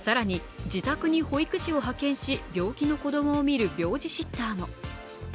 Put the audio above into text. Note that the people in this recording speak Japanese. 更に、自宅に保育士を派遣し、病気の子供を診る病児シッターも。